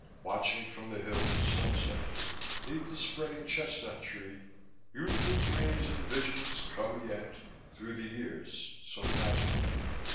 Watching from the hill the sunset 'Neath the spreading chestnut tree, Youthful dreams and visions come yet Through the years so magically.